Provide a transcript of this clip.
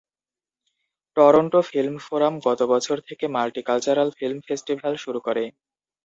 Toronto film forum গত বছর থেকে মাল্টিকালচারাল ফিল্ম ফেস্টিভ্যাল শুরু করে।